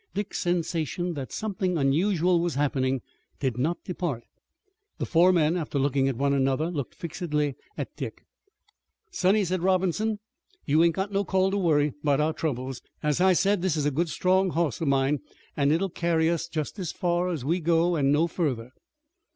Dick's sensation that something unusual was happening did not depart. The four men, after looking at one another, looked fixedly at Dick. "Sonny," said Robertson, "you ain't got no call to worry 'bout our troubles. As I said, this is a good, strong hoss of mine, an' it will carry us just as far as we go an' no further."